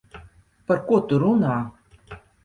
Par ko tu runā?